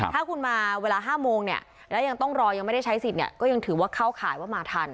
ถ้าคุณมาเวลา๕โมงเนี่ยแล้วยังต้องรอยังไม่ได้ใช้สิทธิ์เนี่ยก็ยังถือว่าเข้าข่ายว่ามาทัน